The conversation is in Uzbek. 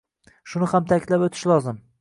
Shuni ham ta’kidlab o‘tish lozim.